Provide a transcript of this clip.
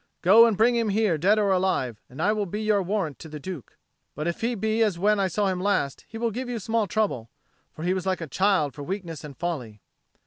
Go and bring him here, dead or alive, and I will be your warrant to the Duke. But if he be as when I saw him last, he will give you small trouble. For he was like a child for weakness and folly."